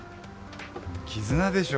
絆でしょ